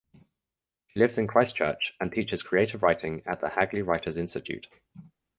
She lives in Christchurch and teaches creative writing at the Hagley Writers’ Institute.